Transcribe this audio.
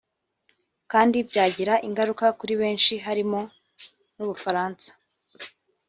kandi byagira ingaruka kuri benshi harimo n’Ubufaransa